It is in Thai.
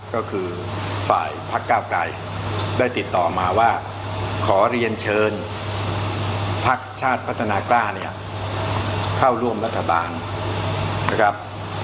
ก็คือฝ่ายพักก้าวไกรได้ติดต่อมาว่าขอเรียนเชิญพักชาติพัฒนากล้าเนี่ยเข้าร่วมรัฐบาลนะครับ